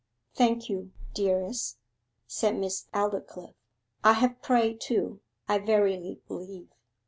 'Thank you, dearest,' said Miss Aldclyffe. 'I have prayed too, I verily believe.